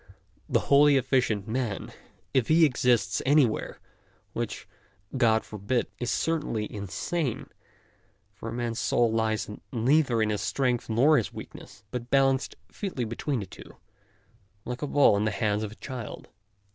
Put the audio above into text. The wholly effi cient man, if he exists anywhere, which God forbid, is certainly insane, for a man's soul lies neither in his strength nor his weak ness, but balanced featly between the two, like a ball in the hands of a child.